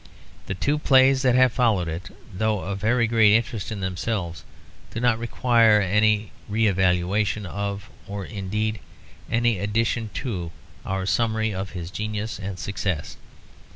The two plays that have followed it, though of very great interest in themselves, do not require any revaluation of, or indeed any addition to, our summary of his genius and success.